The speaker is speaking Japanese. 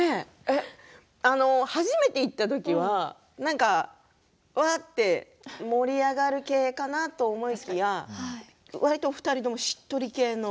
初めて行った時は何か、わって盛り上がる系かなと思いきやわりと２人ともしっとり系の？